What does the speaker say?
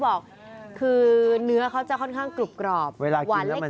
มันจะกรอบนะครับกรอบนะครับ